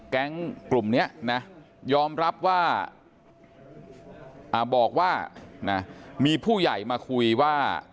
แก๊งกลุ่มนี้นะยอมรับว่าบอกว่ามีผู้ใหญ่มาคุยว่า